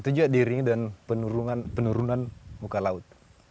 itu juga diri dan penurunan muka laut